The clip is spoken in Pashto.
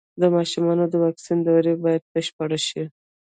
د ماشومانو د واکسین دورې بايد بشپړې شي.